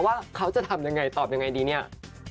ว่าเขาจะทำอย่างไรตอบอย่างไรดีเนี่ย